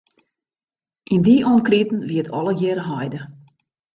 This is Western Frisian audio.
Yn dy omkriten wie it allegear heide.